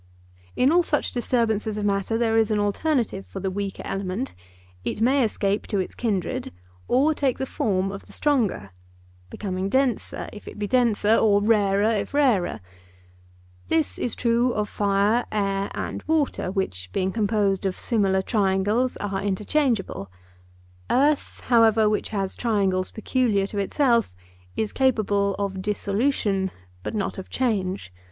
In all such disturbances of matter there is an alternative for the weaker element: it may escape to its kindred, or take the form of the stronger—becoming denser, if it be denser, or rarer if rarer. This is true of fire, air, and water, which, being composed of similar triangles, are interchangeable; earth, however, which has triangles peculiar to itself, is capable of dissolution, but not of change.